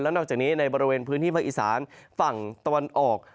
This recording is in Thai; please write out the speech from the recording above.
นอกจากนี้ในบริเวณพื้นที่ภาคอีสานฝั่งตะวันออก